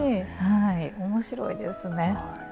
はい面白いですね。